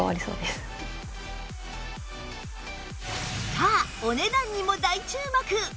さあお値段にも大注目！